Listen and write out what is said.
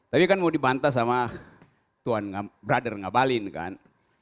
tapi kan mau dibantah sama brother ngabalin kan